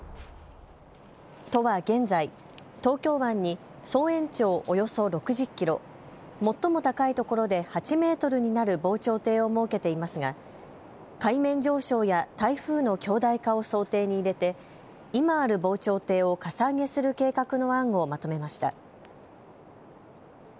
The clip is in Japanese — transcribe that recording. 都は現在、東京湾に総延長およそ６０キロ、最も高い所で８メートルになる防潮堤を設けていますが海面上昇や台風の強大化を想定に入れて今ある防潮堤をかさ上げする計画の案をまとめました。